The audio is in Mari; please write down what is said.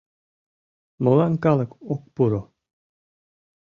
Молан калык ок пуро?